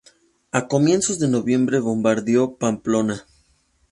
A comienzos de noviembre bombardeó Pamplona.